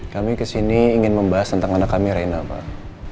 kami kesini ingin membahas tentang anak kami reina pak